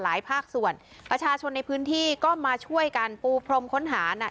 ภาคส่วนประชาชนในพื้นที่ก็มาช่วยกันปูพรมค้นหาน่ะ